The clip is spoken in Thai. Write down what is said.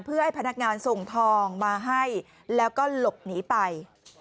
เพื่อให้พนักงานส่งทองมาให้แล้วก็หลบหนีไป